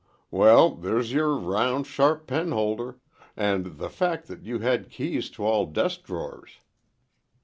"Well, there's your round, sharp penholder. And the fact that you had keys to all desk drawers.